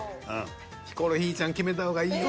ヒコロヒーちゃん決めた方がいいよ。